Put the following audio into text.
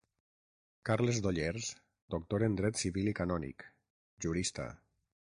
Carles d'Ollers, doctor en dret civil i canònic; jurista.